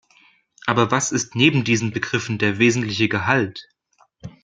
Aber was ist neben diesen Begriffen der wesentliche Gehalt?